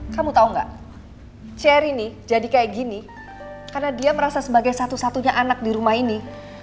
kamu tau gak cherry nih jadi kayak gini karena dia merasa sebagai satu satunya anak di rumah ini